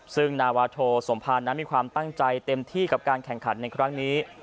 ซึ่งนาวาโทสมภารนั้นมีความตั้งใจเต็มที่กับการแข่งขันในครั้งนี้